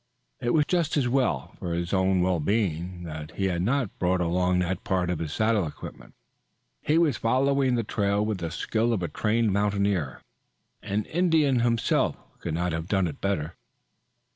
It was just as well for his own well being, that he had not brought along that part of his saddle equipment. He was following the trail with the skill of a trained mountaineer. An Indian himself could have done it no better.